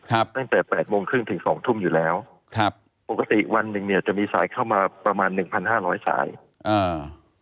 ตั้งแต่แปดโมงครึ่งถึงสองทุ่มอยู่แล้วครับปกติวันหนึ่งเนี้ยจะมีสายเข้ามาประมาณหนึ่งพันห้าร้อยสายอ่า